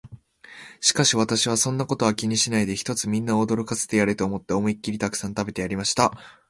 しかし私は、そんなことは気にしないで、ひとつみんなを驚かしてやれと思って、思いきりたくさん食べてやりました。